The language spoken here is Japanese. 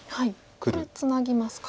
これツナぎますか。